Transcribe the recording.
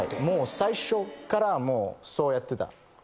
もう最初っからそうやってた。